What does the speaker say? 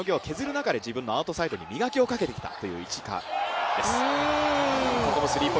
中で自分のアウトサイドに磨きをかけてきたという市川です。